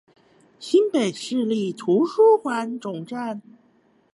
新北市立圖書館總館